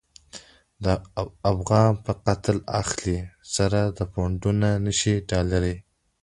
د افغان په قتل اخلی، سره پونډونه شنی ډالری